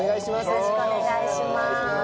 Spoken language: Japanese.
よろしくお願いします。